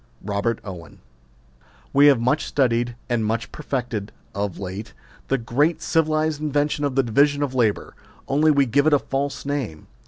ROBEET OWEX. We have much studied and much perfected, of late, the great civilised invention of the division of labour ; only we give it a false name.